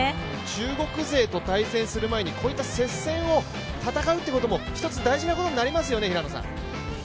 中国勢と対戦する前にこういった接戦を戦うってことも一つ大事なところになりますよね。